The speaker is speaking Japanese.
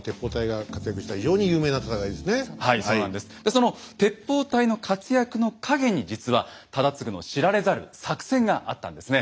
その鉄砲隊の活躍の陰に実は忠次の知られざる作戦があったんですね。